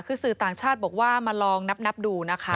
คือสื่อต่างชาติบอกว่ามาลองนับดูนะคะ